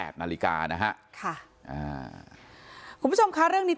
ครับผม